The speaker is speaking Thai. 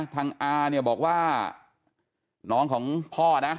อาเนี่ยบอกว่าน้องของพ่อนะ